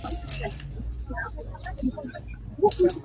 A ke ah hma a um caah a thui kho lo.